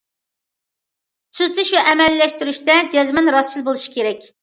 تۈزىتىش ۋە ئەمەلىيلەشتۈرۈشتە جەزمەن راستچىل بولۇش كېرەك.